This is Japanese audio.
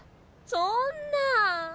そんなあ。